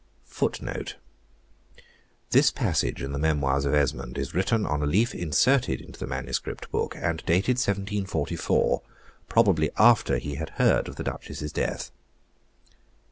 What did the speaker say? * This passage in the Memoirs of Esmond is written on a leaf inserted into the MS. book, and dated 1744, probably after he had heard of the Duchess's death.